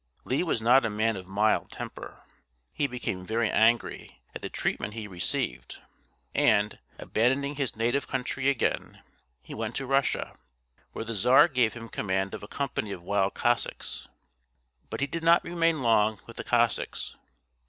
Lee was not a man of mild temper. He became very angry at the treatment he received, and, abandoning his native country again, he went to Russia, where the czar gave him command of a company of wild Cossacks. But he did not remain long with the Cossacks.